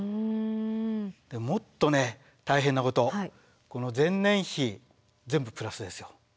もっと大変なことこの前年比全部プラスですよ。